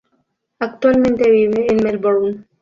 Actualmente vive en Melbourne.